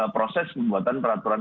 proses pembuatan peraturan